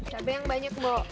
cabai yang banyak mbok